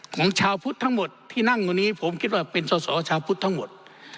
ของชาวพุทธทั้งหมดที่นั่งตรงนี้ผมคิดว่าเป็นสอสอชาวพุทธทั้งหมด